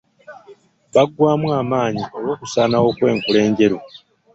Baggwamu amaanyi olw'okusaanawo kw'enkula enjeru .